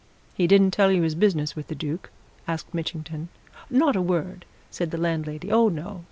"He didn't tell you his business with the Duke?" asked Mitchington. "Not a word!" said the landlady. "Oh, no!